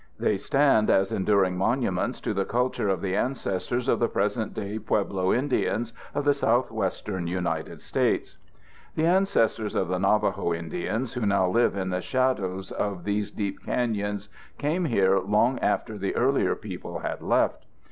They stand as enduring monuments to the culture of the ancestors of the present day Pueblo Indians of the southwestern United States. The ancestors of the Navajo Indians who now live in the shadows of these deep canyons came here long after the earlier peoples had left.